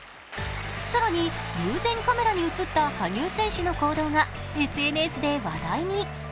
更に偶然カメラに映った羽生選手の行動がＳＮＳで話題に。